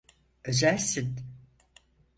Özelsin.